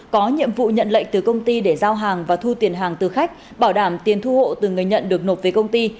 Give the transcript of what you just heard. có nhiệm vụ nhận lệnh từ công ty để giao hàng và thu tiền hàng từ khách bảo đảm tiền thu hộ từ người nhận được nộp về công ty